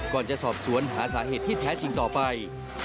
ก่อนจะสอบสวนหาสาเหตุที่แท้จริงต่อไป